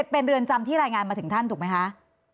เป็นเรือนจำที่รายงานมาถึงท่านถูกไหมคะ